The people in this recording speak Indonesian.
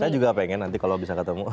saya juga pengen nanti kalau bisa ketemu